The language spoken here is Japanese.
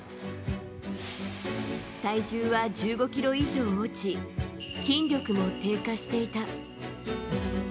体重は１５ｋｇ以上落ち筋力も低下していた。